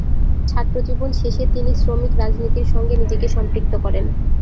ছাত্র জীবন শেষে তিনি শ্রমিক রাজনীতির সঙ্গে নিজেকে সম্পৃক্ত করেন।